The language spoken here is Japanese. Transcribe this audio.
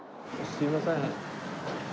すみません。